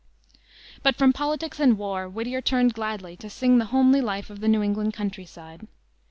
But from politics and war Whittier turned gladly to sing the homely life of the New England country side.